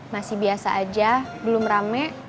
masih biasa aja belum rame